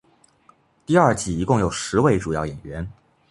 第二季一共有十位主要演员。